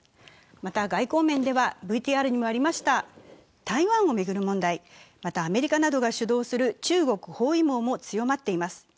また外交面では台湾を巡る問題、またアメリカなどが主導する中国包囲網も強まっています。